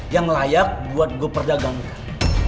yang layak buat gue perdagangkan